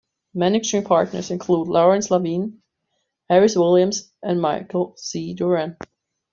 Managing partners include Lawrence Lavine, Harris Williams and Michael C. Duran.